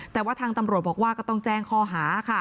แต่ว่าทางตำรวจบอกว่าก็ต้องแจ้งข้อหาค่ะ